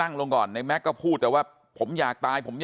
ตรของหอพักที่อยู่ในเหตุการณ์เมื่อวานนี้ตอนค่ำบอกให้ช่วยเรียกตำรวจให้หน่อย